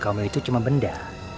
kamu itu cuma benda